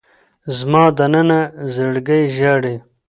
زما دننه زړګی ژاړي